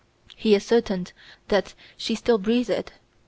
He ascertained that she still breathed.